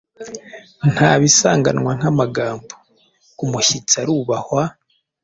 Nta bisanganwa nk’amagambo.” Umushyitsi arubahwa,